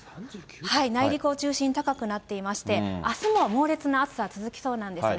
内陸を中心に高くなっていまして、あすも猛烈な暑さは続きそうなんですね。